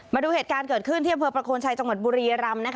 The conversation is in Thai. มาดูเหตุการณ์เกิดขึ้นที่อำเภอประโคนชัยจังหวัดบุรียรำ